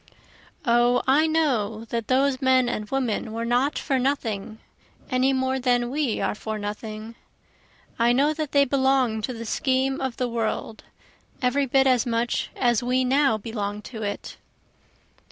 O I know that those men and women were not for nothing, any more than we are for nothing, I know that they belong to the scheme of the world every bit as much as we now belong to it.